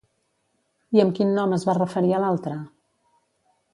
I amb quin nom es va referir a l'altre?